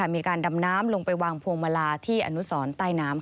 มีการดำน้ำลงไปวางพวงมาลาที่อนุสรใต้น้ำ